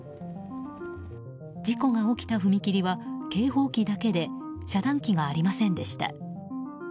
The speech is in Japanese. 事故が起きた踏切は警報機だけで遮断機がありませんでした。